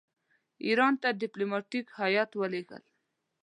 ایران ته ډیپلوماټیک هیات لېږل.